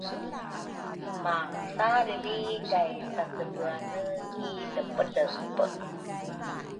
mathariri kay tacebeane ki lepelepe.